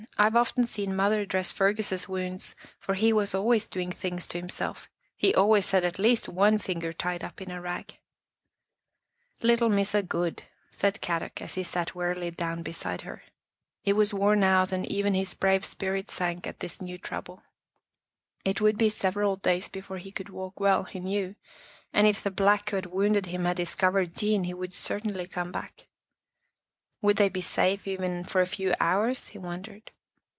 " I've often seen mother dress Fergus' wounds, for he was always doing things to himself. He always had at least one finger tied up in a rag." 1 Big stick, like a shillalah. Housekeeping in a Cave 103 " Little Missa good," said Kadok as he sat wearily down beside her. He was worn out and even his brave spirit sank at this new trouble. It would be several days before he could walk well, he knew, and if the Black who had wounded him had discovered Jean he would certainly come back. Would they be safe even for a few hours, he wondered?